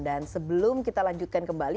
dan sebelum kita lanjutkan kembali